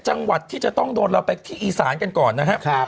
จังหวัดที่จะต้องโดนเราไปที่อีสานกันก่อนนะครับ